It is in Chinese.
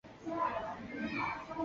医学博士。